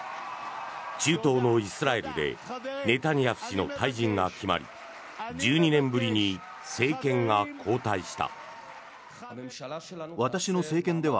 中東のイスラエルでネタニヤフ氏の退陣が決まり１２年ぶりに政権が交代した。